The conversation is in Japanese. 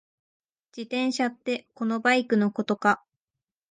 自転車ってこのバイクのことか？